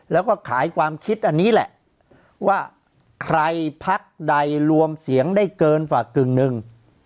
แล้วก็ขายความคิดอันนี้แหละว่าใครพักใดรวมเสียงได้เกินฝากกึ่งหนึ่ง